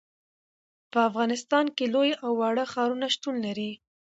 په افغانستان کې لوی او واړه ښارونه شتون لري.